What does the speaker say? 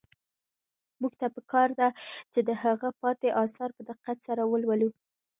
موږ ته په کار ده چې د هغه پاتې اثار په دقت سره ولولو.